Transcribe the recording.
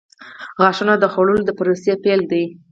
• غاښونه د خوړلو د پروسې پیل دی.